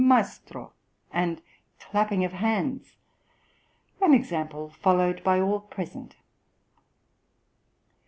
maestro,' and clapping of hands, an example followed by all present."